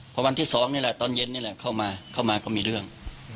เพราะวันที่๒นี่แหละตอนเย็นนี่แหละเข้ามาก็มีเรื่อง